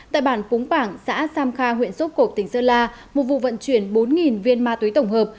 tại bản cúng bảng xã sam kha huyện sốt cộp tỉnh sơn la một vụ vận chuyển bốn viên ma túy tổng hợp